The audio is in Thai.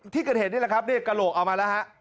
ที่เกิดเหตุนี่แหละครับนี่กระโหลกเอามาแล้วฮะ